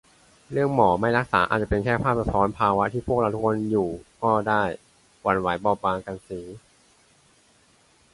เรื่องหมอไม่รักษาอาจจะเป็นแค่ภาพสะท้อนภาวะที่พวกเราทุกคนเป็นอยู่ก็ได้ - หวั่นไหวบอบบางกับสี